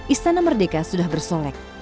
istana merdeka sudah bersolek